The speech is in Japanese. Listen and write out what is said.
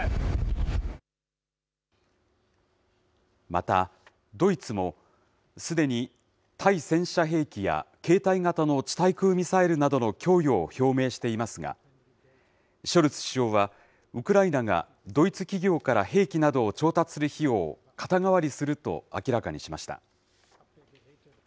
また、ドイツもすでに対戦車兵器や、携帯型の地対空ミサイルなどの供与を表明していますが、ショルツ首相は、ウクライナがドイツ企業から兵器などを調達する費用を肩代わりすると明らかにしました。